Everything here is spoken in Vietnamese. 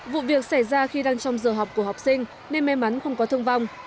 vụ việc xảy ra khi đang trong giờ học của học sinh nên may mắn không có thương vong